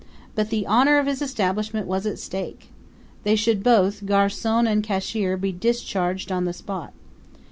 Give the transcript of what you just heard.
But the honor of his establishment was at stake. They should both, garcon and cashier, be discharged on the spot.